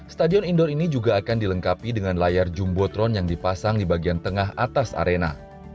stadion indoor ini juga akan dilengkapi dengan layar jumbotron yang dipasang di bagian tengah atas arena